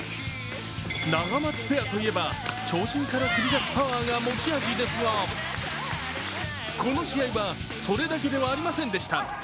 ナガマツペアといえば長身から繰り出すパワーが持ち味ですがこの試合はそれだけではありませんでした。